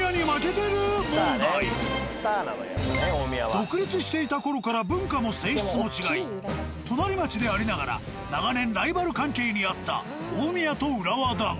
独立していたころから文化も性質も違い隣町でありながら長年ライバル関係にあった大宮と浦和だが。